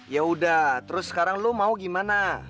yaudah terus sekarang lu mau gimana